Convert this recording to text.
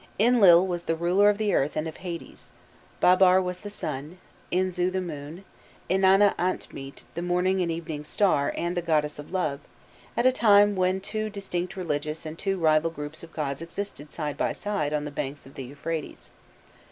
Inlil was the ruler of the earth and of Hades, Babbar was the sun, Inzu the moon, Inanna Antmit the morning and evening star and the goddess or love, at a time when two distinct religious and two rival groups of gods existed side by side on the banks of the Euphrates.